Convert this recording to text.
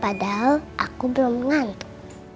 padahal aku belum ngantuk